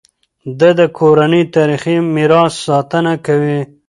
ده د کورنۍ تاریخي میراث ساتنه کوي.